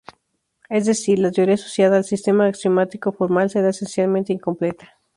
Es decir, la teoría asociada al sistema axiomático formal será esencialmente incompleta.